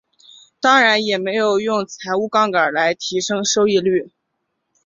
当然也没有用财务杠杆来提升收益率。